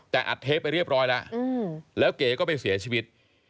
แต่อัดเทปไปเรียบร้อยแล้วแล้วเก๋ก็ไปเสียชีวิต